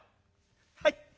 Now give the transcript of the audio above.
「はい。